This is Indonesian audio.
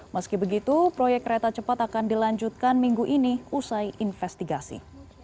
meski begitu proyek kereta cepat akan dilanjutkan minggu ini usai investigasi